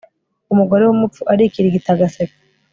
umugore w'umupfu arikirigita agaseka